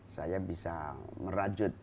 saya bisa merajut